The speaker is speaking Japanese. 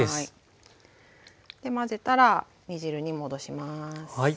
で混ぜたら煮汁に戻します。